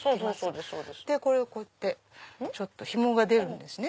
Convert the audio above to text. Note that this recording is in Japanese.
でこれをこうやってひもが出るんですね。